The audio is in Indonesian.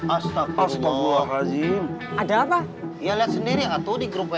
astagfirullahaladzim ada apa ya lihat sendiri atau di grup wa